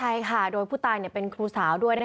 ใช่ค่ะโดยผู้ตายเป็นครูสาวด้วย